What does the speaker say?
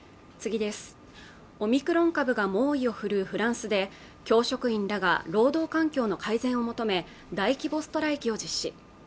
オミクロン株が猛威を振るうフランスで教職員らが労働環境の改善を求め大規模ストライキを実施